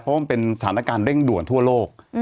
เพราะว่ามันเป็นสถานการณ์เร่งด่วนทั่วโลก